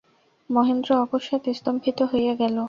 মহেন্দ্র অকস্মাৎ স্তম্ভিত হইয়া গেল।